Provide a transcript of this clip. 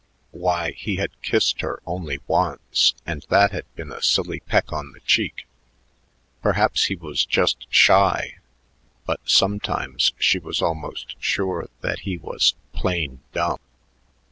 Why, he had kissed her only once, and that had been a silly peck on the cheek. Perhaps he was just shy, but sometimes she was almost sure that he was "plain dumb."